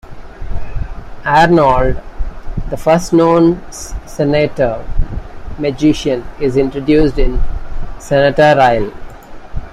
Arnolde, the first known centaur magician, is introduced in "Centaur Aisle".